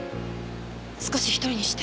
少し１人にして。